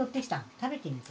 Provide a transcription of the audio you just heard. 食べてみて。